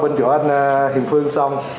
bên chỗ anh hiền phương xong